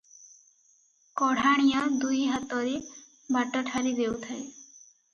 କଢ଼ାଣିଆ ଦୁଇ ହାତରେ ବାଟ ଠାରି ଦେଉଥାଏ ।